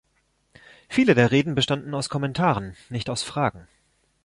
Viele der Reden bestanden aus Kommentaren, nicht aus Fragen.